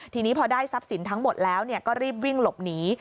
ทีนี้พอได้ทรัพย์สินทั้งหมดแล้วก็รีบวิ่งหลบหนี